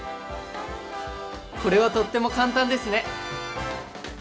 これはとっても簡単ですね！